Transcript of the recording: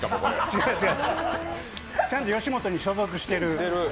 違う、違う、ちゃんと吉本に所属してる。